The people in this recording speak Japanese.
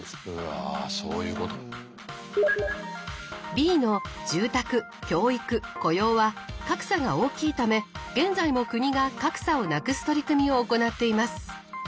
Ｂの住宅教育雇用は格差が大きいため現在も国が格差をなくす取り組みを行っています。